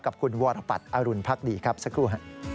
กับคุณวรปัตรอรุณพักดีครับสักครู่